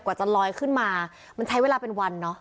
กว่าจะลอยขึ้นมามันใช้เวลาเป็นวันเนอะ